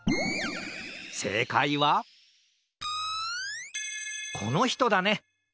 せいかいはこのひとだね！